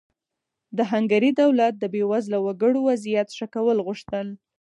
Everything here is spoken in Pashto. د هنګري دولت د بېوزله وګړو وضعیت ښه کول غوښتل.